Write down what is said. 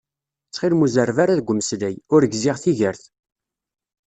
Ttxil-m ur zerreb ara deg umeslay, ur gziɣ tigert